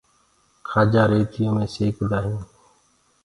کآجآ ريتيو مي سيڪدآ هينٚ۔